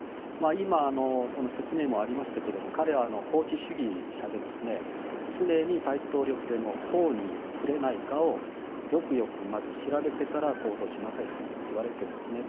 今、説明もありましたけれども彼は法治主義者で常に、大統領府でも法に触れないかをよくよく、まず調べてから行動しなさいっていわれているんですね。